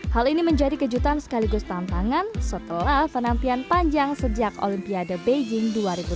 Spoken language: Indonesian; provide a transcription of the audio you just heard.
hal ini menjadi kejutan sekaligus tantangan setelah penantian panjang sejak olimpiade beijing dua ribu tujuh belas